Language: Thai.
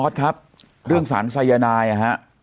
อออศครับเรื่องสารสัญญานายอะฮะ